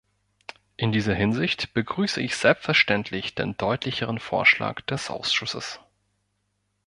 In dieser Hinsicht begrüße ich selbstverständlich den deutlicheren Vorschlag des Ausschusses.